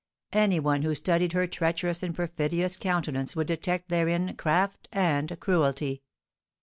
Any one who studied her treacherous and perfidious countenance would detect therein craft and cruelty.